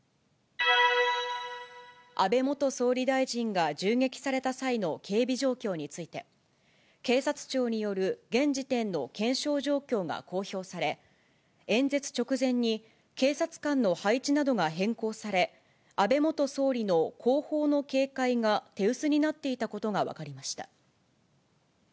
安倍元総理大臣が銃撃された際の警備状況について、警察庁による現時点の検証状況が公表され、演説直前に、警察官の配置などが変更され、安倍元総理の後方の警戒が手薄になっていたことが分かりました。